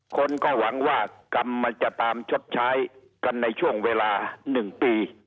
คนก็หวังว่ากรรมมันจะตามชดใช้กันในช่วงเวลา๑ปี